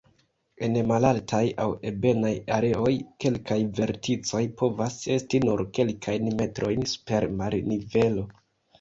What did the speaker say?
En malaltaj aŭ ebenaj areoj kelkaj verticoj povas esti nur kelkajn metrojn super marnivelo.